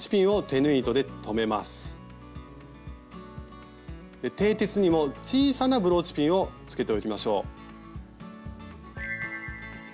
てい鉄にも小さなブローチピンをつけておきましょう。